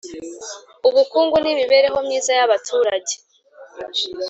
Ubukungu n Imibereho Myiza y Abaturage